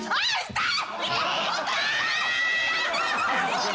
痛い！？」